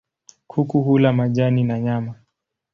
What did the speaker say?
Kuku hula majani na nyama.